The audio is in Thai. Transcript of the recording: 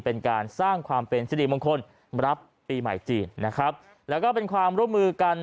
เป็นการสร้างความเป็นสิริมงคลรับปีใหม่จีนนะครับแล้วก็เป็นความร่วมมือกัน